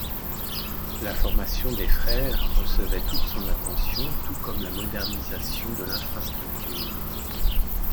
La formation des frères recevait toute son attention, tout comme la modernisation de l'infrastructure.